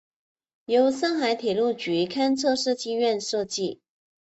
由上海铁路局勘测设计院设计。